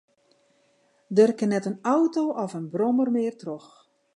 Der kin net in auto of in brommer mear troch.